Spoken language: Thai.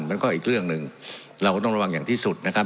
มันก็อีกเรื่องหนึ่งเราก็ต้องระวังอย่างที่สุดนะครับ